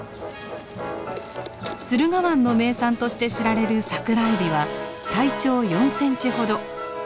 駿河湾の名産として知られるサクラエビは体長４ｃｍほど。